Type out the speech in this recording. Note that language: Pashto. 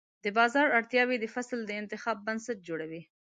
د بازار اړتیاوې د فصل د انتخاب بنسټ جوړوي.